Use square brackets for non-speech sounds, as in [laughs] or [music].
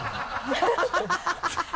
ハハハ [laughs]